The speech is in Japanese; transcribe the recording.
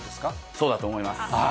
そうだと思います。